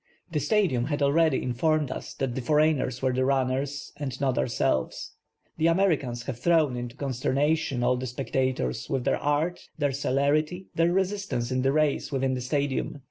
The Stadium had already informed us that the foreigners were the runners and not ourselves. The Americans have thrown into consternation all the spectators v/ith their art, their celerity, their resistance in the race within the Stadium.